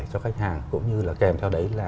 cho khách hàng cũng như là kèm theo đấy là